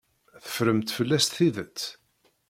Teffremt fell-as tidet.